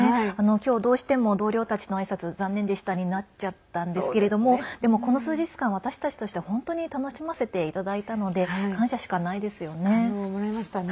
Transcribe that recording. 今日、どうしても同僚たちのあいさつ残念でしたになっちゃったんですけれどもでも、この数日間私たちとしては本当に楽しませていただいたので感謝しかないですよね。